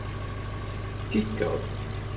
Kikeḍ.